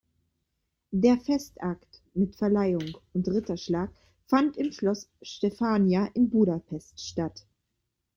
Der Festakt mit Verleihung und Ritterschlag fand im Schloss Stefania in Budapest statt.